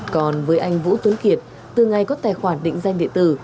còn với anh vũ tuấn kiệt từ ngày có tài khoản định danh điện tử